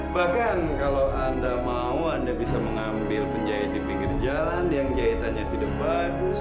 bahkan kalau anda mau anda bisa mengambil penjahitan di pinggir jalan yang jahitannya tidak bagus